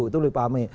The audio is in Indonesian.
itu lebih pahami